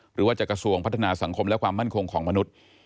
หรือว่าจะกระทรวงพัฒนาสังคมและความมั่นคงของมนุษย์